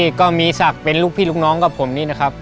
นี่ก็มีศักดิ์เป็นลูกพี่ลูกน้องกับผมนี่นะครับ